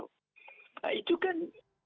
nah itu kan